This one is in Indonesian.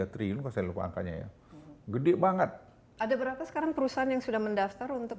tiga triliun kalau saya lupa angkanya ya gede banget ada berapa sekarang perusahaan yang sudah mendaftar untuk